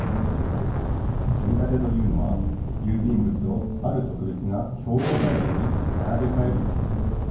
組立というのはゆうびんぶつをあるとくべつなひょうをたよりにならべかえること。